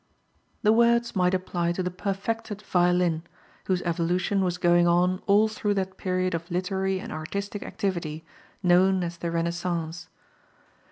The words might apply to the perfected violin, whose evolution was going on all through that period of literary and artistic activity known as the Renaissance.